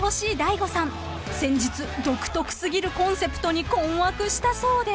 ［先日独特過ぎるコンセプトに困惑したそうで］